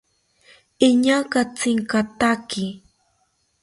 Iñaa katsinkataki